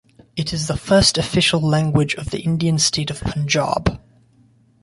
It is the first official language of the Indian State of Punjab.